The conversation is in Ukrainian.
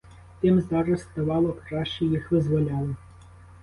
Тим зараз ставало краще, їх визволяли.